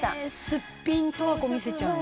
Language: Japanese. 「すっぴん十和子見せちゃうの」